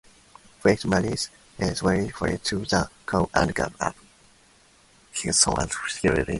FitzMaurice swore fealty to the crown, and gave up his son as hostage.